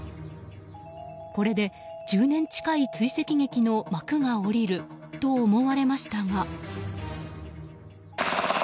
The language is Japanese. これで１０年近い追跡劇の幕が下りると思われましたが。